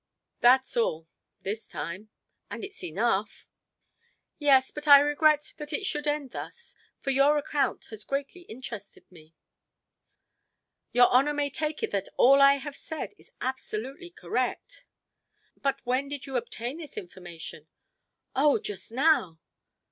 "That's all this time and it's enough!" "Yes, but I regret that it should end thus, for your account has greatly interested me." "Your honor may take it that all I have said is absolutely correct." "But when did you obtain this information?" "Oh, just now!"